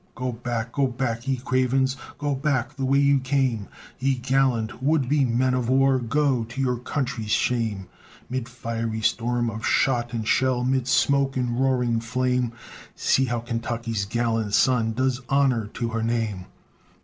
Go back, go back, ye cravens; Go back the way ye came; Ye gallant, would be men of war, Go! to your country's shame. 'Mid fiery storm of shot and shell, 'Mid smoke and roaring flame, See how Kentucky's gallant son Does honor to her name!